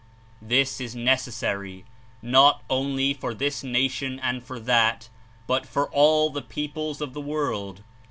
1 his is nec essary, not only for this nation and for that, but for all the peoples of the world.